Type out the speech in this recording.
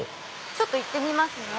ちょっと行ってみますね。